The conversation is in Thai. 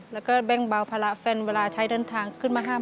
แล้วก็แบ่งเบาภาระแฟนเวลาใช้เดินทางขึ้นมาห้าม